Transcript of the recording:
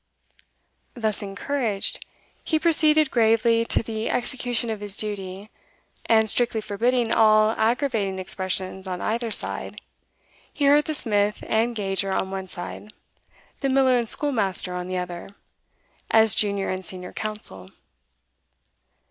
Thus encouraged, he proceeded gravely to the execution of his duty, and, strictly forbidding all aggravating expressions on either side, he heard the smith and gauger on one side, the miller and schoolmaster on the other, as junior and senior counsel.